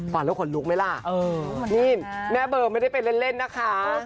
แล้วขนลุกไหมล่ะนี่แม่เบอร์ไม่ได้ไปเล่นนะคะ